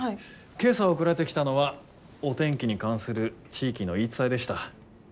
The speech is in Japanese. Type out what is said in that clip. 今朝送られてきたのはお天気に関する地域の言い伝えでした。